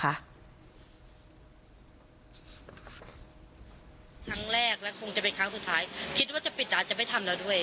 ครั้งแรกและคงจะเป็นครั้งสุดท้ายคิดว่าจะปิดอาจจะไม่ทำแล้วด้วย